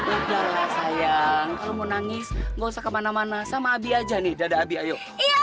udahlah sayang kalau mau nangis gak usah kemana mana sama abi aja nih dada abi ayo